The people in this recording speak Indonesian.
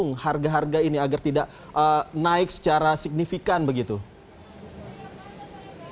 bagaimana dengan di surabaya apakah di sana sudah ada satgas pangan yang memantau lantai